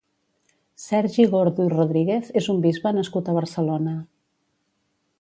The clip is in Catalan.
Sergi Gordo i Rodríguez és un bisbe nascut a Barcelona.